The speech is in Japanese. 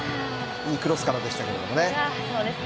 いいクロスからですけどね。